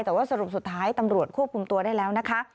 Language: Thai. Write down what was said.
แต่ว่าสรุปสุดท้ายตำรวจควบคุมตัวได้แล้วนะคะ